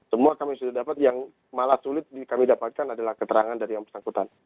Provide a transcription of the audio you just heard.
semua kami sudah dapat yang malah sulit kami dapatkan adalah keterangan dari yang bersangkutan